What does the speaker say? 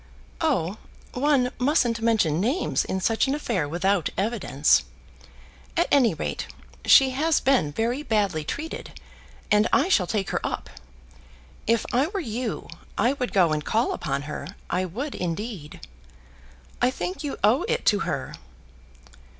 "Oh, one mustn't mention names in such an affair without evidence. At any rate, she has been very badly treated, and I shall take her up. If I were you I would go and call upon her; I would indeed. I think you owe it to her.